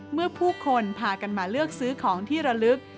เมื่อผู้คนพากันมาเลือกซื้อของที่ระลึก